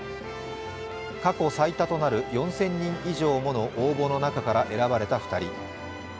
過去最多となる４０００人以上もの応募の中から選ばれた２人。